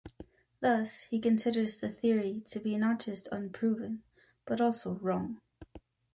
Thus, he considers the theory to be not just unproven but also wrong.